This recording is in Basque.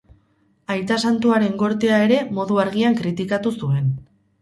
Aita Santuaren gortea ere modu argian kritikatu zuen.